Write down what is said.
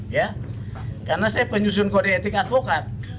ya karena saya penyusun kode etik advokat